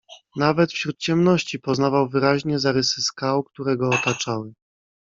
"Nawet wśród ciemności poznawał wyraźnie zarysy skał, które go otaczały."